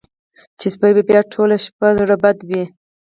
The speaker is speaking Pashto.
چې سپۍ به بیا ټوله شپه زړه بدې وي.